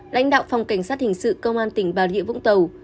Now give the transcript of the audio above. lãnh đạo phòng cảnh sát hình sự công an tỉnh bà rịa vũng tàu